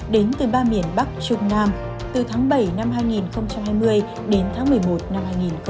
đến từ ba miền bắc trung nam từ tháng bảy năm hai nghìn hai mươi đến tháng một mươi một năm hai nghìn hai mươi